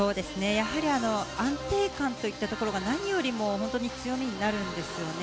やはり安定感といったところが何よりも強みになるんですね。